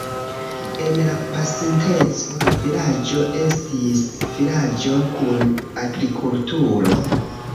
En la pasinteco la vilaĝo estis vilaĝo kun agrikulturo.